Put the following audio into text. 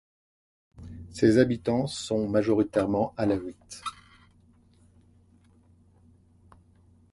Ses habitants sont majoritairement Alaouites.